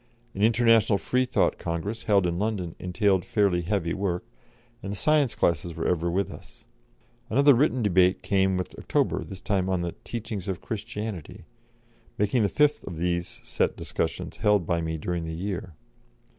An International Freethought Congress, held in London, entailed fairly heavy work, and the science classes were ever with us. Another written debate came with October, this time on the "Teachings of Christianity," making the fifth of these set discussions held by me during the year.